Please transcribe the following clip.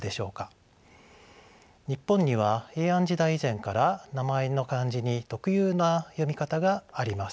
日本には平安時代以前から名前の漢字に特有な読み方があります。